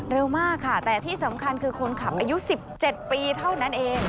เร็วมากค่ะแต่ที่สำคัญคือคนขับอายุ๑๗ปีเท่านั้นเอง